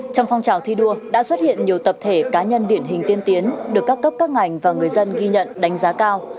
trong phong trào thi đua đã xuất hiện nhiều tập thể cá nhân điển hình tiên tiến được các cấp các ngành và người dân ghi nhận đánh giá cao